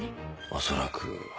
恐らく。